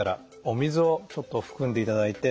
お水をちょっと含んでいただいて。